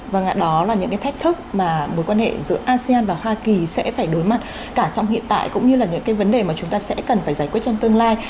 vâng ạ đó là những cái thách thức mà mối quan hệ giữa asean và hoa kỳ sẽ phải đối mặt cả trong hiện tại cũng như là những cái vấn đề mà chúng ta sẽ cần phải giải quyết trong tương lai